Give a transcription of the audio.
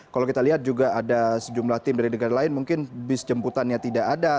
kalau kita lihat juga ada sejumlah tim dari negara lain mungkin bis jemputannya tidak ada